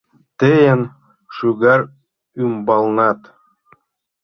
Тыйын шӱгар ӱмбалнат